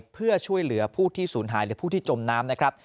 เพื่อช่วยเหลือผู้ที่สูญหายหรือผู้ที่จมน้ำ